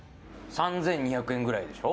３２００円ぐらいでしょ？